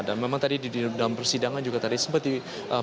dan memang tadi di dalam persidangan juga tadi sempat dipercayai